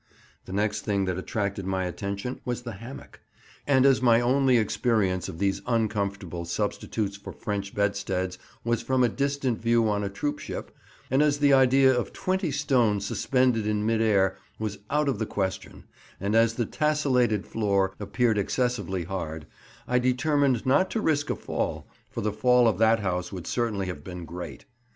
The next thing that attracted my attention was the hammock; and as my only experience of these uncomfortable substitutes for French bedsteads was from a distant view on a troopship, and as the idea of 20 stone suspended in mid air was out of the question, and as the tesselated floor appeared excessively hard, I determined not to risk a fall, for the fall of that house would certainly have been great.